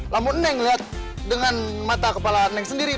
lamu neng liat dengan mata kepala neng sendiri